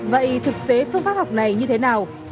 vậy thực tế phương pháp học này như thế nào